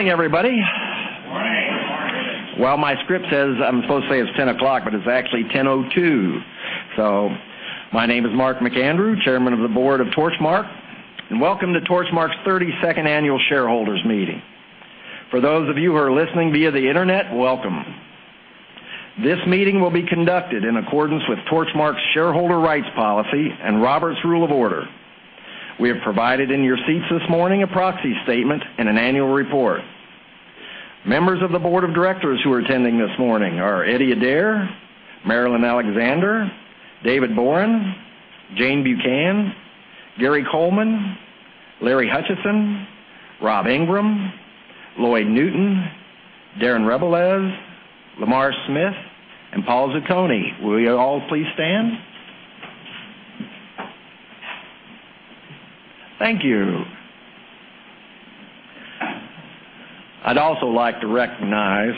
Good morning, everybody. Good morning. Well, my script says I'm supposed to say it's 10:00, but it's actually 10:02. My name is Mark McAndrew, Chairman of the Board of Torchmark, and welcome to Torchmark's 32nd Annual Shareholders' Meeting. For those of you who are listening via the internet, welcome. This meeting will be conducted in accordance with Torchmark's Shareholder Rights Policy and Robert's Rules of Order. We have provided in your seats this morning a proxy statement and an annual report. Members of the Board of Directors who are attending this morning are Eddie Adair, Marilyn Alexander, David Boren, Jane Buchan, Gary Coleman, Larry Hutchison, Rob Ingram, Lloyd Newton, Darren Rebelez, Lamar Smith, and Paul Zucconi. Will you all please stand? Thank you. I'd also like to recognize,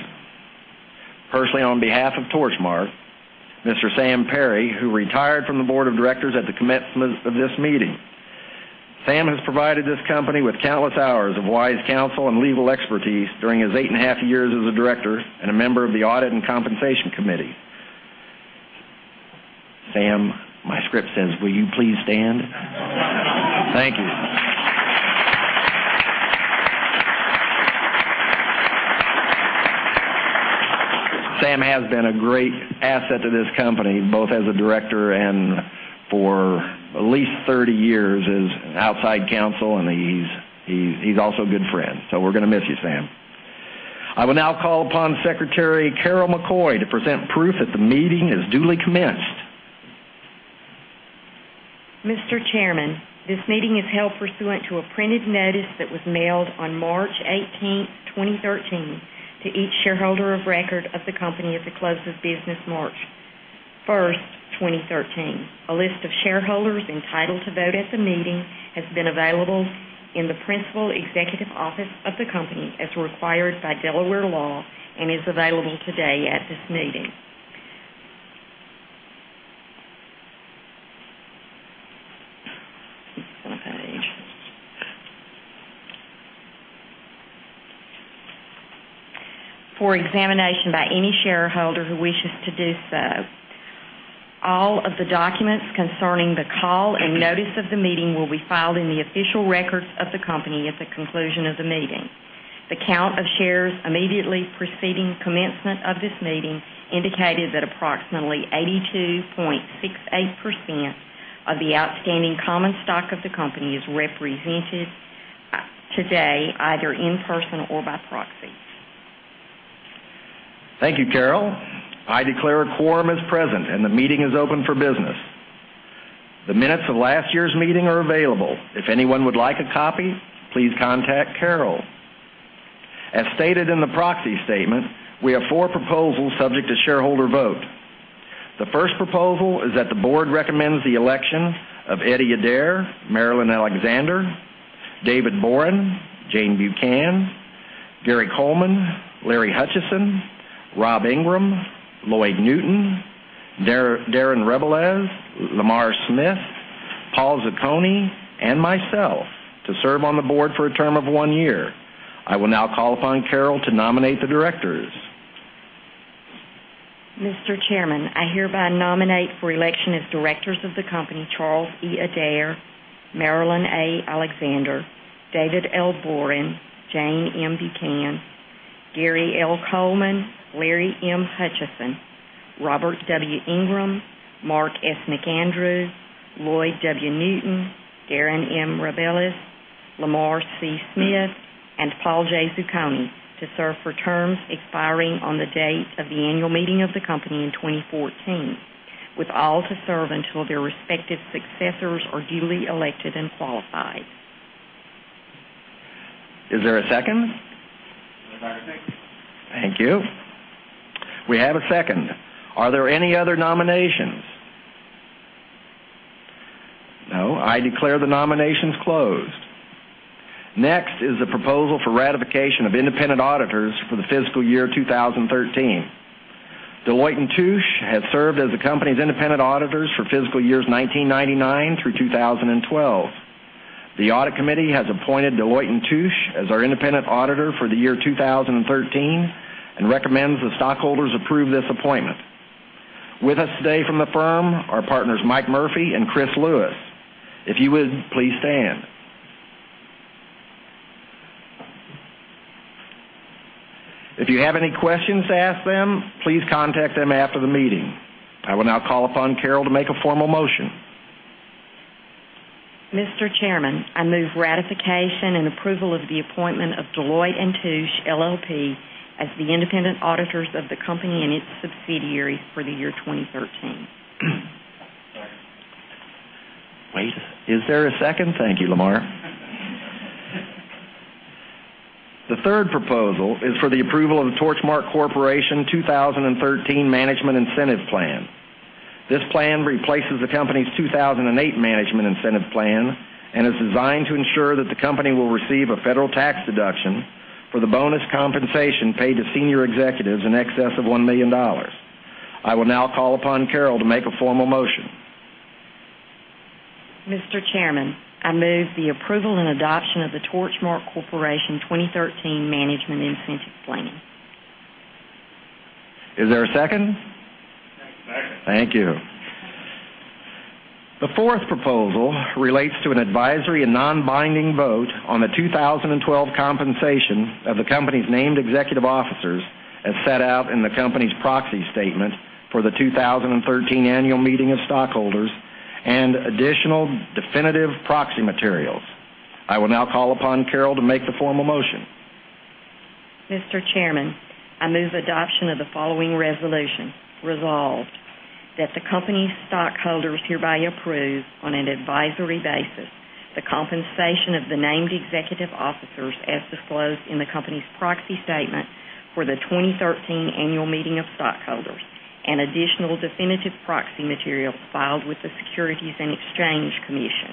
personally, on behalf of Torchmark, Mr. Sam Perry, who retired from the Board of Directors at the commencement of this meeting. Sam has provided this company with countless hours of wise counsel and legal expertise during his eight and a half years as a director and a member of the audit and compensation committee. Sam, my script says, will you please stand? Thank you. Sam has been a great asset to this company, both as a director and for at least 30 years as outside counsel, and he's also a good friend, so we're going to miss you, Sam. I will now call upon Secretary Carol McCoy to present proof that the meeting is duly commenced. Mr. Chairman, this meeting is held pursuant to a printed notice that was mailed on March 18th, 2013, to each shareholder of record of the company at the close of business March 1st, 2013. A list of shareholders entitled to vote at the meeting has been available in the principal executive office of the company as required by Delaware law and is available today at this meeting. For examination by any shareholder who wishes to do so. All of the documents concerning the call and notice of the meeting will be filed in the official records of the company at the conclusion of the meeting. The count of shares immediately preceding commencement of this meeting indicated that approximately 82.68% of the outstanding common stock of the company is represented today, either in person or by proxy. Thank you, Carol. I declare a quorum is present, and the meeting is open for business. The minutes of last year's meeting are available. If anyone would like a copy, please contact Carol. As stated in the proxy statement, we have four proposals subject to shareholder vote. The first proposal is that the Board recommends the election of Eddie Adair, Marilyn Alexander, David Boren, Jane Buchan, Gary Coleman, Larry Hutchison, Rob Ingram, Lloyd Newton, Darren Rebelez, Lamar Smith, Paul Zucconi, and myself to serve on the Board for a term of one year. I will now call upon Carol to nominate the directors. Mr. Chairman, I hereby nominate for election as directors of the company, Charles E. Adair, Marilyn A. Alexander, David L. Boren, Jane M. Buchan, Gary L. Coleman, Larry M. Hutchison, Robert W. Ingram, Mark S. McAndrew, Lloyd W. Newton, Darren M. Rebelez, Lamar C. Smith, and Paul J. Zucconi to serve for terms expiring on the date of the annual meeting of the company in 2014, with all to serve until their respective successors are duly elected and qualified. Is there a second? Second. Thank you. We have a second. Are there any other nominations? No. I declare the nominations closed. Next is the proposal for ratification of independent auditors for the fiscal year 2013. Deloitte & Touche has served as the company's independent auditors for fiscal years 1999 through 2012. The audit committee has appointed Deloitte & Touche as our independent auditor for the year 2013 and recommends the stockholders approve this appointment. With us today from the firm are partners Mike Murphy and Chris Lewis. If you would, please stand. If you have any questions to ask them, please contact them after the meeting. I will now call upon Carol to make a formal motion. Mr. Chairman, I move ratification and approval of the appointment of Deloitte & Touche LLP as the independent auditors of the company and its subsidiaries for the year 2013. Wait. Is there a second? Thank you, Lamar. The third proposal is for the approval of the Torchmark Corporation 2013 Management Incentive Plan. This plan replaces the company's 2008 Management Incentive Plan and is designed to ensure that the company will receive a federal tax deduction for the bonus compensation paid to senior executives in excess of $1 million. I will now call upon Carol to make a formal motion. Mr. Chairman, I move the approval and adoption of the Torchmark Corporation 2013 Management Incentive Plan. Is there a second? Second. Thank you. The fourth proposal relates to an advisory and non-binding vote on the 2012 compensation of the company's named executive officers, as set out in the company's proxy statement for the 2013 annual meeting of stockholders and additional definitive proxy materials. I will now call upon Carol to make the formal motion. Mr. Chairman, I move adoption of the following resolution. Resolved, that the company's stockholders hereby approve, on an advisory basis, the compensation of the named executive officers as disclosed in the company's proxy statement for the 2013 annual meeting of stockholders and additional definitive proxy materials filed with the Securities and Exchange Commission,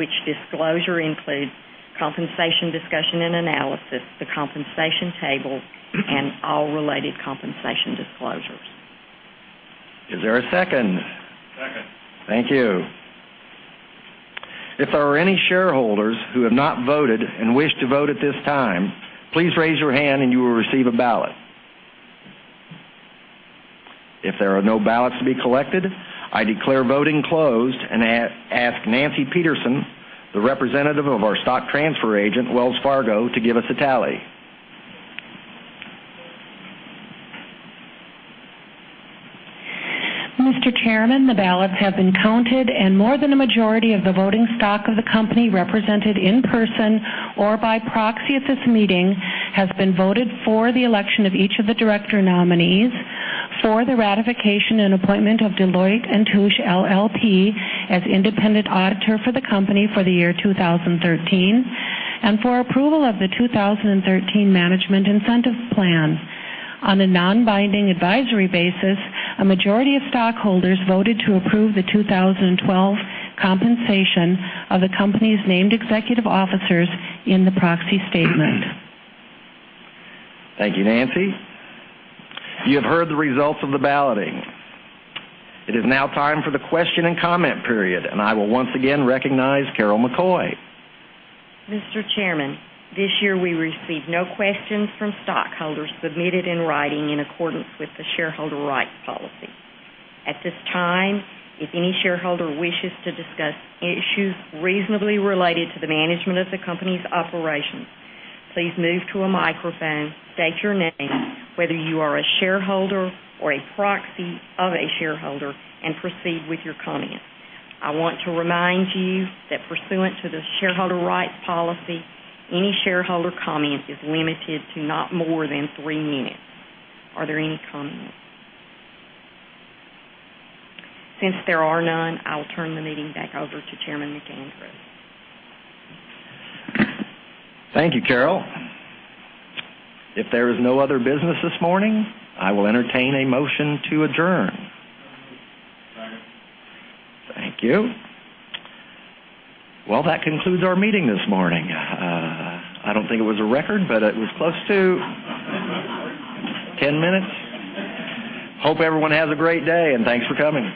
which disclosure includes compensation discussion and analysis, the compensation table, and all related compensation disclosures. Is there a second? Second. Thank you. If there are any shareholders who have not voted and wish to vote at this time, please raise your hand and you will receive a ballot. If there are no ballots to be collected, I declare voting closed and ask Nancy Petersen, the representative of our stock transfer agent, Wells Fargo, to give us a tally. Mr. Chairman, the ballots have been counted. More than a majority of the voting stock of the company represented in person or by proxy at this meeting has been voted for the election of each of the director nominees, for the ratification and appointment of Deloitte & Touche LLP as independent auditor for the company for the year 2013, and for approval of the 2013 Management Incentive Plan. On a non-binding advisory basis, a majority of stockholders voted to approve the 2012 compensation of the company's named executive officers in the proxy statement. Thank you, Nancy Petersen. You have heard the results of the balloting. It is now time for the question and comment period. I will once again recognize Carol McCoy. Mr. Chairman, this year we received no questions from stockholders submitted in writing in accordance with the Shareholder Rights Policy. At this time, if any shareholder wishes to discuss issues reasonably related to the management of the company's operations, please move to a microphone, state your name, whether you are a shareholder or a proxy of a shareholder, and proceed with your comment. I want to remind you that pursuant to the Shareholder Rights Policy, any shareholder comment is limited to not more than three minutes. Are there any comments? Since there are none, I will turn the meeting back over to Chairman McAndrew. Thank you, Carol. If there is no other business this morning, I will entertain a motion to adjourn. Second. Thank you. Well, that concludes our meeting this morning. I don't think it was a record, but it was close to 10 minutes. Hope everyone has a great day. Thanks for coming.